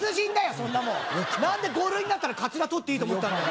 そんなもん何で５類になったらカツラ取っていいと思ったんだよ？